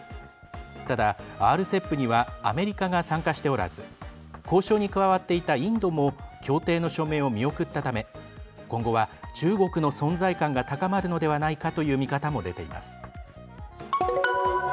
ただ、ＲＣＥＰにはアメリカが参加しておらず交渉に加わっていたインドも協定の署名を見送ったため今後は中国の存在感が高まるのではないかという見方も出ています。